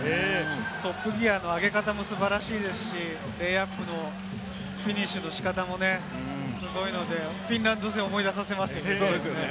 トップギアの上げ方も素晴らしいですし、レイアップのフィニッシュの仕方もすごいので、フィンランド戦を思い出させますね。